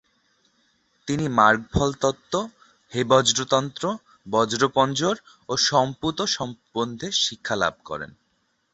তিনি মার্গফল তত্ত্ব, হেবজ্রতন্ত্র, বজ্রপঞ্জর ও সম্পুত সম্বন্ধে শিক্ষা লাভ করেন।